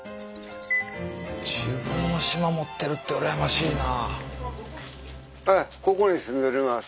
自分の島持ってるって羨ましいな。